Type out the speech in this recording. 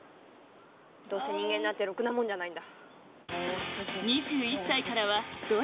どうせ人間なんてろくなもんじゃないんだ。